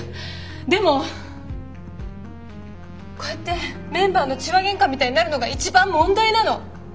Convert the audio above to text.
でもこうやってメンバーの痴話げんかみたいになるのが一番問題なの。